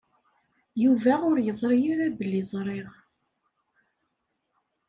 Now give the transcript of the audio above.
Yuba ur yeẓri ara belli ẓriɣ.